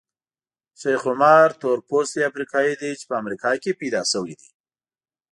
شیخ عمر تورپوستی افریقایي دی چې په امریکا کې پیدا شوی دی.